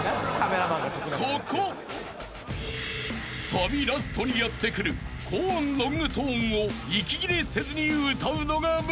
［サビラストにやって来る高音ロングトーンを息切れせずに歌うのが難しい］